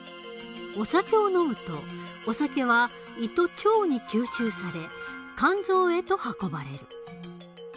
お酒を飲むとお酒は胃と腸に吸収され肝臓へと運ばれる。